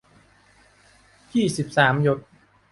ยี่สิบสาม หยด